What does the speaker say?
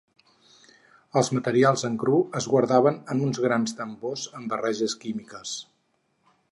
Els materials en cru es guardaven en uns grans tambors amb barreges químiques.